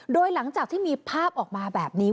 โดยหลังจากที่มีภาพออกมาแบบนี้